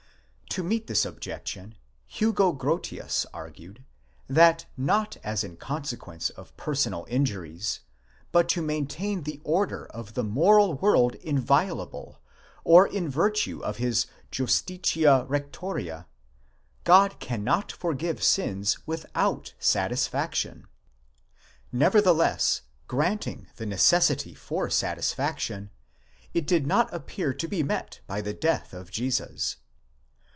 To meet this objection Hugo Grotius argued, that not as in consequence of personal injuries, but to maintain the order of the moral world inviolable, or in virtue of his justitia rectoria, God cannot forgive sins without satisfaction.2 Never theless, granting the necessity for satisfaction, it did not appear to be met by the death of Jesus.